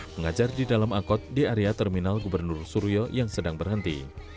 mengajar di dalam akot di area terminal gubernur suryo yang sedang berhenti